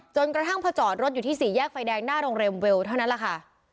กระทั่งพอจอดรถอยู่ที่สี่แยกไฟแดงหน้าโรงแรมเวลเท่านั้นแหละค่ะ